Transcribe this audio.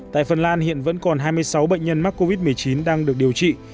tại phần lan hiện vẫn còn hai mươi sáu bệnh nhân mắc covid một mươi chín đang được điều trị